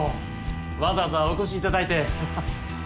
わざわざお越しいただいてハハハ！